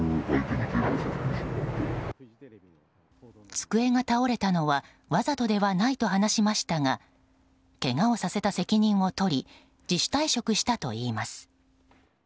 机が倒れたのはわざとではないと話しましたがけがをさせた責任を取り自主退職したといいます。